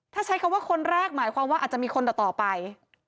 ถ้าใช้คำว่าคนแรกหมายความว่าอาจจะมีคนต่อไป